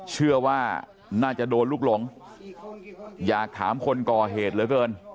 เชื่อว่าน่าจะโดนลูกหลงอยากถามคนก่อเหตุเหลือเกิน